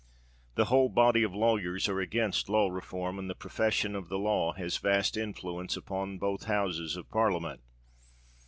The whole body of lawyers are against law reform—and the profession of the law has vast influence upon both Houses of Parliament.